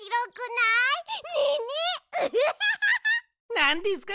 なんですか？